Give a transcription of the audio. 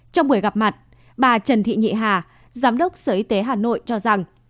trong buổi gặp mặt bà trần thị nhị hà giám đốc sở y tế hà nội cho rằng